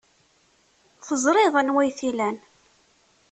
Teẓriḍ anwa ay t-ilan.